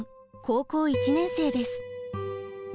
高校１年生です。